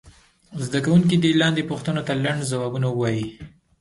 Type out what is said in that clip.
زده کوونکي دې لاندې پوښتنو ته لنډ ځوابونه ووایي.